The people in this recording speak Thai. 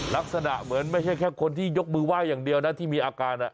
ลักษณะเหมือนไม่ใช่แค่คนที่ยกมือไหว้อย่างเดียวนะที่มีอาการ